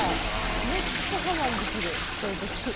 めっちゃ我慢できるこういう時。